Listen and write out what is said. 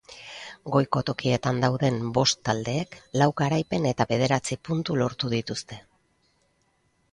Goiko tokietan dauden bost taldeek lau garaipen eta bederatzi puntu lortu dituzte.